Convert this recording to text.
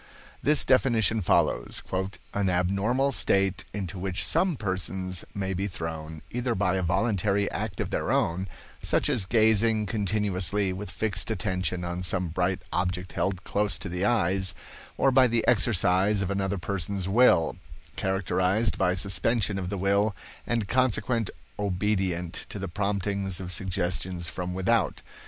This definition follows: "An abnormal state into which some persons may be thrown, either by a voluntary act of their own, such as gazing continuously with fixed attention on some bright object held close to the eyes, or by the exercise of another person's will; characterized by suspension of the will and consequent obedience to the promptings of suggestions from without.